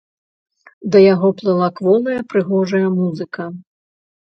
Да яго плыла кволая прыгожая музыка.